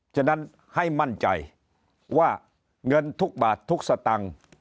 ฉะนั้นให้มั่นใจว่าเงินทุกบาททุกสตางค์